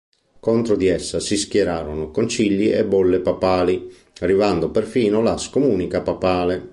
Contro di essa si schierarono concili e bolle papali, arrivando perfino la scomunica papale.